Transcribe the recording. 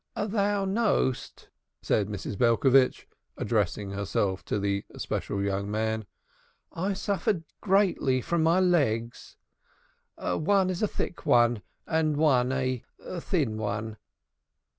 "Thou knowest," said Mrs. Belcovitch, addressing herself to the special young man, "I suffer greatly from my legs. One is a thick one, and one a thin one."